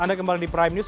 anda kembali di prime news